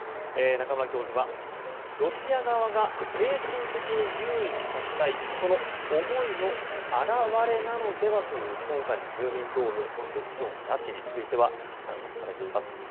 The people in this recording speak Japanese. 中村教授はロシア側が精神的に優位に立ちたいその思いの表れなのではという今回の住民投票そして市長の拉致については話をされています。